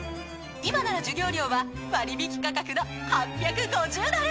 今なら授業料は割引価格の８５０ドル。